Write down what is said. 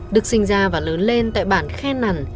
đức sinh ra và lớn lên tại bản khen nằn